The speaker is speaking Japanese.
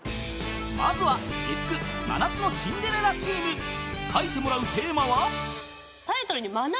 ［まずは月９『真夏のシンデレラ』チーム］［書いてもらうテーマは］